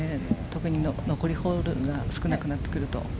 特に残りホールが少なくなってくると。